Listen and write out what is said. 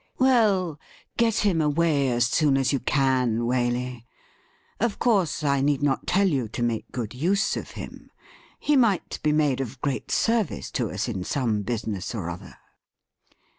' Well, get him away as soon as you can, Waley. Of course, I need not tell you to make good use of him. He might be made of great service to us in some business or other.'